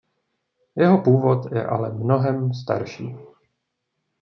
Jeho původ je ale mnohem starší.